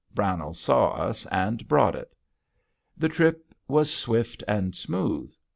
Brownell saw us and brought it. The trip was swift and smooth.